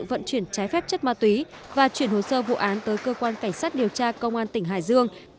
vận chuyển trái phép chất ma túy và chuyển hồ sơ vụ án tới cơ quan cảnh sát điều tra công an tỉnh hải dương